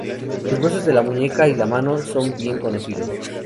Los huesos de la muñeca y la mano no son bien conocidos.